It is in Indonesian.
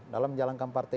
dalam menjalankan partai